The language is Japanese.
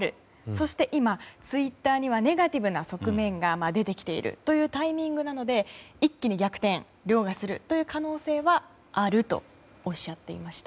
そして今、ツイッターにはネガティブな側面が出てきているというタイミングなので一気に逆転凌駕するという可能性はあるとおっしゃっていました。